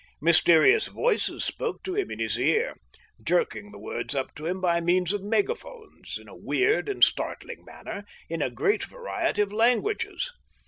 Mysterious voices spoke to him in his ear, jerking the words up to him by means of megaphones, in a weird and startling manner, in a great variety of languages.